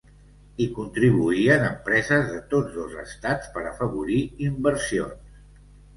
Hi contribuïen empreses de tots dos estats per afavorir inversions.